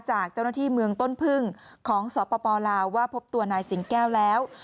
จากเจ้าหน้าที่เมืองต้นพึ่งของสปลาวว่าพบตัวนายสิงแก้วแล้ว